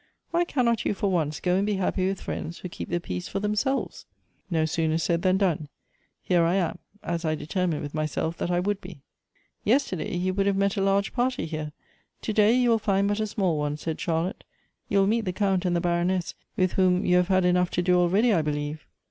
Why cannot you for once go and be happy with friends who keep the peace for themselves ? No sooner said than done. Here I am, as I determined with myself that I would be." " Yesterday you would have met a large party here ; to day you will find but a small one,'' said Charlotte ;" you will meet the Count and the Baroness, with whom you have had enough to do already, I believe."